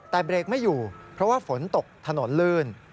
แต่เบรกไม่อยู่เพราะว่าฝนตกถนนลื่น